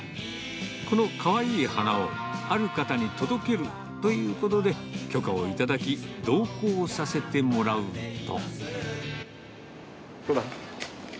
このかわいい花を、ある方に届けるということで、許可をいただき、同行させてもらうと。